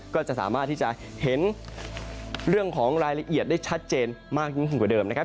ก็จะสามารถที่จะเห็นเรื่องของรายละเอียดได้ชัดเจนมากยิ่งขึ้นกว่าเดิมนะครับ